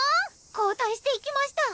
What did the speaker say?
後退していきました！